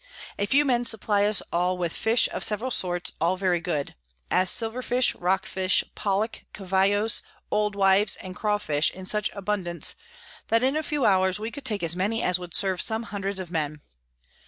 A few Men supply us all with Fish of several sorts, all very good; as Silver fish, Rock fish, Pollock, Cavallos, Oldwives, and Craw fish in such abundance, that in a few hours we could take as many as would serve some hundreds of Men.